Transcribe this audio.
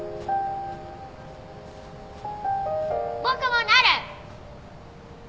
僕もなる！